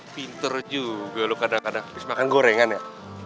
pinter juga lo kadang kadang habis makan gorengan ya